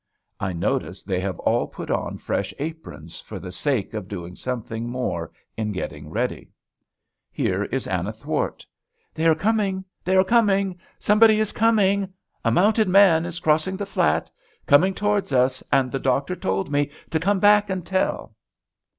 I notice they have all put on fresh aprons, for the sake of doing something more in getting ready. Here is Anna Thwart. "They are coming! they are coming! somebody is coming. A mounted man is crossing the flat, coming towards us; and the doctor told me to come back and tell."